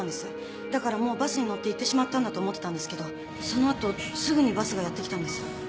だからもうバスに乗っていってしまったんだと思ってたんですけどその後すぐにバスがやって来たんです。